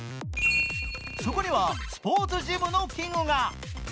そこにはスポーツジムの器具が。